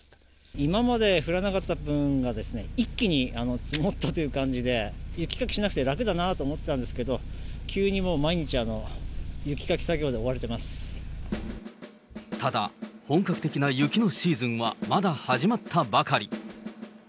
今まで降らなかった分が、一気に積もったという感じで、雪かきしなくて楽だなと思ってたんですけど、急にもう、ただ、本格的な雪のシーズンはまだ始まったばかり。